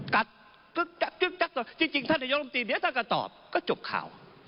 กัดกัดกัดกัดกัดจริงจริงท่านไทยองค์ลมตีนเดี๋ยวท่านก็ตอบก็จบข่าว